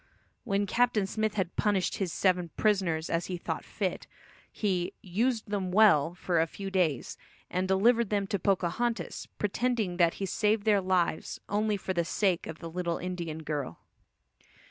When Captain Smith had punished his seven prisoners as he thought fit, he "used them well" for a few days, and delivered them to Pocahontas, pretending that he saved their lives only for the sake of the little Indian girl.